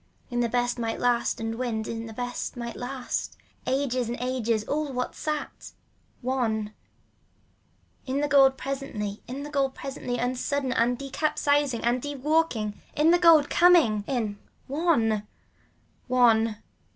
In the best might last and wind in the best might last. Ages, ages, all what sat. One. In the gold presently, in the gold presently unsuddenly and decapsized and dewalking. In the gold coming in. ONE. One.